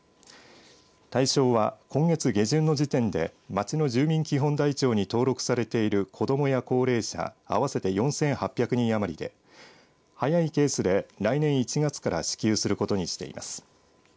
対象は、今月下旬の時点で町の住民基本台帳に登録されている子どもや高齢者合わせて４８００人余りで早いケースで来年１月から支給することにしています。